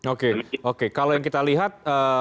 oke oke kalau yang kita lihat